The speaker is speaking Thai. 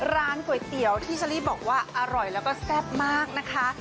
ร้านก๋วยเตี๋ยวที่เชอรี่บอกว่าอร่อยแล้วก็แซ่บมากนะคะ